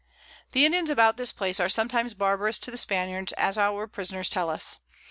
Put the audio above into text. The Indians about this Place are sometimes barbarous to the Spaniards, as our Prisoners tell us.